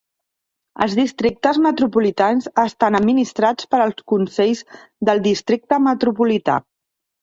Els districtes metropolitans estan administrats per els consells del districte metropolità.